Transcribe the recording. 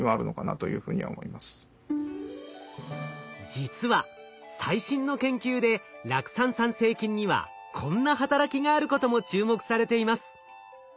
実は最新の研究で酪酸産生菌にはこんな働きがあることも注目されています。